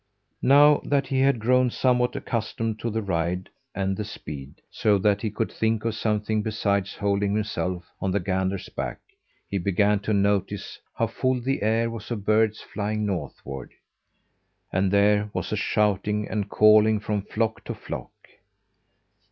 Now that he had grown somewhat accustomed to the ride and the speed, so that he could think of something besides holding himself on the gander's back, he began to notice how full the air was of birds flying northward. And there was a shouting and a calling from flock to flock.